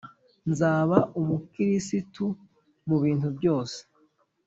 Nzaba umukirisitu mu bintu byose